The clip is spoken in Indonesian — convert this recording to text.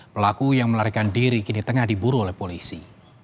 pelaku yang melarikan diri kini tengah diburu oleh polisi